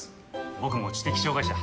僕も知的障がい者。